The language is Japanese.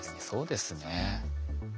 そうですね。